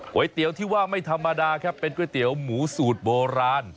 เตี๋ยวที่ว่าไม่ธรรมดาครับเป็นก๋วยเตี๋ยวหมูสูตรโบราณ